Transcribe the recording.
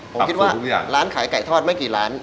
ผมคิดว่าร้านขายไก่ทอดไม่กี่ร้าน